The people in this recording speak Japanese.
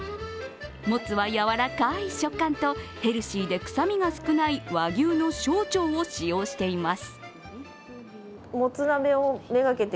もつは、やわらかい食感とヘルシーで臭みが少ない和牛の小腸を使用しています。